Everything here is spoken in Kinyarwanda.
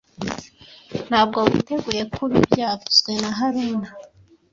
Ntabwo witeguye kubi byavuzwe na haruna